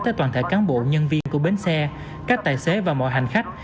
tới toàn thể cán bộ nhân viên của bến xe các tài xế và mọi hành khách